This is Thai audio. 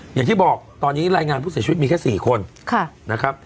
อย่างที่บอกตอนนี้รายงานผู้เสียชมิดมีแค่๔คน